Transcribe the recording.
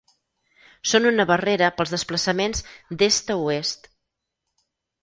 Són una barrera pels desplaçaments d'est a oest.